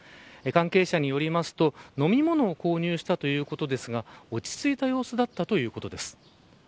関係者によりますと飲み物を購入したということですが落ち着いた様子だったということです。